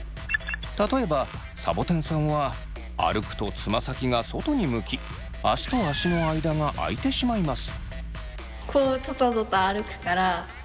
例えばさぼてんさんは歩くとつま先が外に向き足と足の間があいてしまいます。